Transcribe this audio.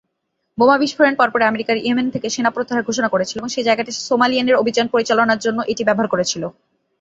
বোমা বিস্ফোরণের পরপরই আমেরিকা ইয়েমেন থেকে সেনা প্রত্যাহারের ঘোষণা করেছিল, যে জায়গাটি সোমালিয়ায় অভিযান পরিচালনার জন্য এটি ব্যবহার করছিল।